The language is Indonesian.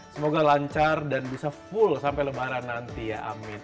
semoga lancar dan bisa full sampai lebaran nanti ya amin